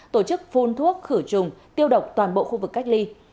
tổ chức phun thuốc khử trùng tiêu độc toàn bộ khu vực cách ly